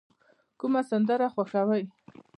کومه سندره خوښوئ؟